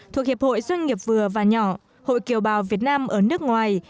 thuộc hiệp hội doanh nghiệp vừa và nhỏ hội kiều bào việt nam ở nước ngoài